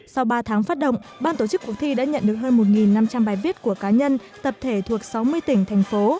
sau ba tháng phát động ban tổ chức cuộc thi đã nhận được hơn một năm trăm linh bài viết của cá nhân tập thể thuộc sáu mươi tỉnh thành phố